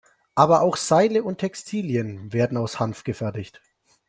Aber auch Seile und Textilien werden aus Hanf gefertigt.